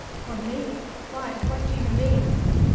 "For me? Why, what do you mean?"